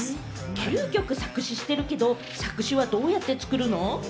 ９曲、作詞してるけれども、作詞はどうやってするの？